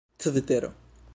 tvitero